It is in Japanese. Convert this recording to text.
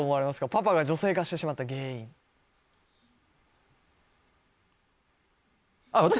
パパが女性化してしまった原因あっ私？